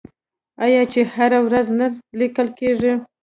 آیا چې هره ورځ نه لیکل کیږي؟